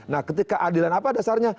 nah ketika adilan apa dasarnya